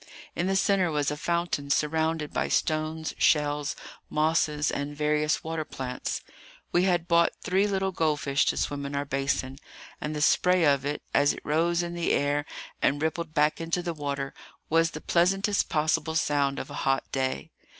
In the centre was a fountain surrounded by stones, shells, mosses, and various water plants. We had bought three little goldfish to swim in our basin; and the spray of it, as it rose in the air and rippled back into the water, was the pleasantest possible sound of a hot day.